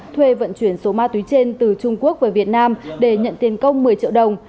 thuê vận chuyển số ma túy trên từ trung quốc về việt nam để nhận tiền công một mươi triệu đồng